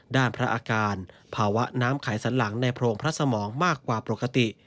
พระอาการภาวะน้ำไขสันหลังในโพรงพระสมองมากกว่าปกติ